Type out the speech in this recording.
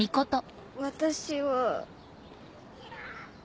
私は。